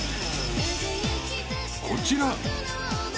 ［こちら］